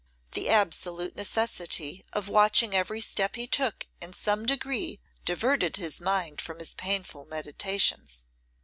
The absolute necessity of watching every step he took in some degree diverted his mind from his painful meditations.